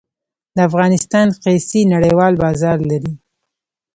د افغانستان قیسی نړیوال بازار لري